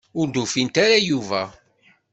Ur d-ufint ara Yuba.